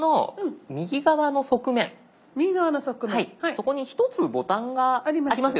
そこに１つボタンが。あります。